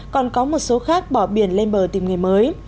còn có một số khác bỏ biển lên bờ tìm người mới